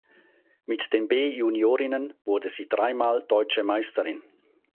Mit den B-Juniorinnen wurde sie dreimal deutsche Meisterin.